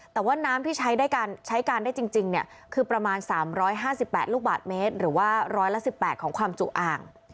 แต่ว่าน้ำที่ใช้การได้จริงคือประมาณ๓๕๘ลูกบาทเมตรหรือว่าร้อยละ๑๘ของความจุอ่าง